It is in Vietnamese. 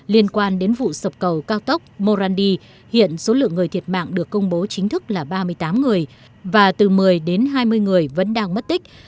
liên quan đến vụ sập cầu cao tốc morandi hiện số lượng người thiệt mạng được công bố chính thức là ba mươi tám người và từ một mươi đến hai mươi người vẫn đang mất tích